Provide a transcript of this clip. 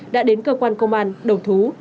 đã đến cơ quan công an đầu thú